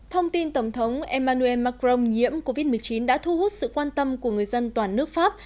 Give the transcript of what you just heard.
thông tin tổng thống emmanuel macron nhiễm covid một mươi chín đã thu hút sự quan tâm của người dân toàn nước pháp